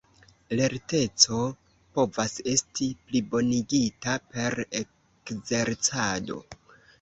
Lerteco povas esti plibonigita per ekzercado.